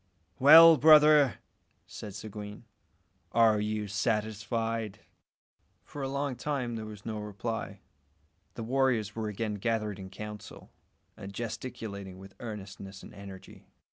"Well, brother," said Seguin, "are you satisfied?" For a long time there was no reply. The warriors were again gathered in council, and gesticulating with earnestness and energy.